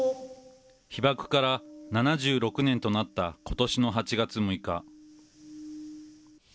被爆から７６年となったことしの８月６日。